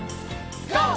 ＧＯ！